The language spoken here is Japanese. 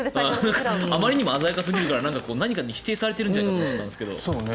あまりにも鮮やかすぎるから何かに否定されているんじゃないかと思ったんですけど。